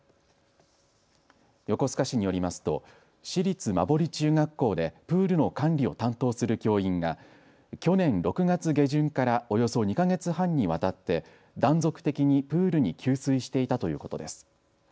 横須賀市によりますと市立馬堀中学校でプールの管理を担当する教員が去年６月下旬からおよそ２か月半にわたって断続的にプールに給水していたということです。